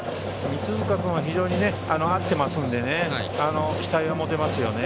三塚君は非常に合ってますので期待を持てますよね。